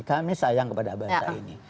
kami sayang kepada bangsa ini